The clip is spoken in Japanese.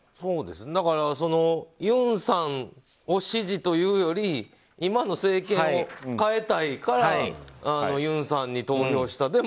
だからユンさんを支持というより今の政権を変えたいからユンさんに投票した。